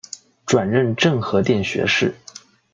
转任政和殿学士。